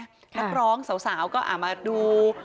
นักร้องสาวก็มาดู